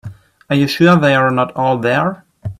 Are you sure they are not all there?